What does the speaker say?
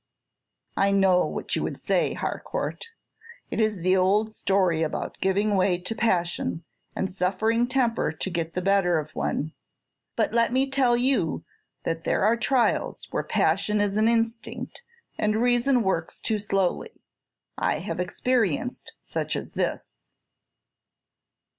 "I know what you would say, Harcourt. It is the old story about giving way to passion, and suffering temper to get the better of one; but let me tell you that there are trials where passion is an instinct, and reason works too slowly. I have experienced such as this."